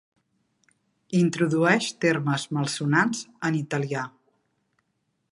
Introdueix termes malsonants en italià.